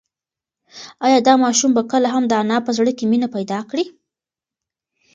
ایا دا ماشوم به کله هم د انا په زړه کې مینه پیدا کړي؟